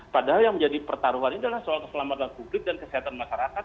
padahal yang menjadi pertaruhan ini adalah soal keselamatan publik dan kesehatan masyarakat